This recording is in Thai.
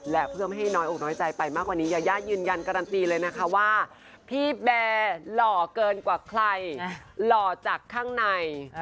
และเพื่อไม่ให้น้อยอกน้อยใจไปมากกว่านี้ยายายืนยันการันตีเลยนะคะว่าพี่แบร์หล่อเกินกว่าใครหล่อจากข้างใน